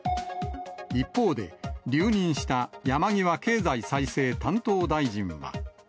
一方で、留任した山際経済再生担当大臣は。